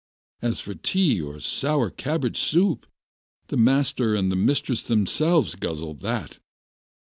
As for tea or sour cabbage soup, the master and the mistress themselves guzzle that.